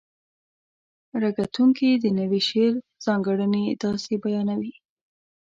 ره کتونکي د نوي شعر ځانګړنې داسې بیانوي: